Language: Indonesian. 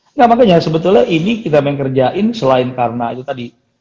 enggak makanya sebetulnya ini kita mengerjain selain karena itu tadi